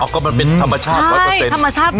อ๋อก็มันเป็นธรรมชาติ๑๐๐ใช่ธรรมชาติ๑๐๐นะคะ